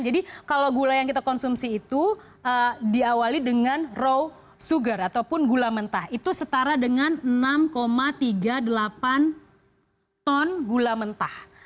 jadi kalau gula yang kita konsumsi itu diawali dengan raw sugar ataupun gula mentah itu setara dengan enam tiga puluh delapan ton